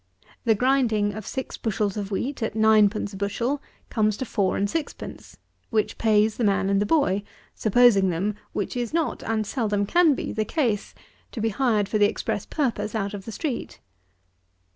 The grinding of six bushels of wheat at ninepence a bushel comes to four and sixpence, which pays the man and the boy, supposing them (which is not and seldom can be the case) to be hired for the express purpose out of the street.